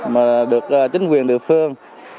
mà được chính quyền địa phương